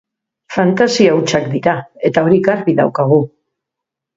Fantasia hutsak dira, eta hori garbi daukagu.